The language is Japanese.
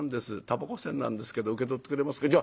たばこ銭なんですけど受け取ってくれますか」。